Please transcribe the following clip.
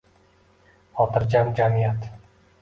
Xotirjam jamiyat